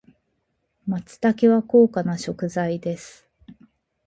松茸は高価な食材です。